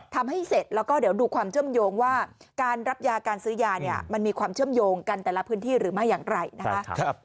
ทำให้เสร็จแล้วก็เดี๋ยวดูความเชื่อมโยงว่าการรับยาการซื้อยาเนี่ยมันมีความเชื่อมโยงกันแต่ละพื้นที่หรือไม่อย่างไรนะคะ